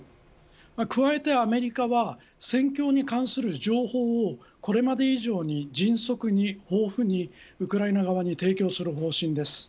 加えてアメリカは戦況に関する情報をこれまで以上に迅速に豊富にウクライナ側に提供する方針です。